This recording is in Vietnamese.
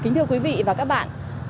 kính thưa quý vị và các bạn